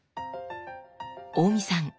大見さん